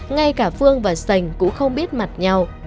ngay cả phương và sành cũng không biết mặt nhau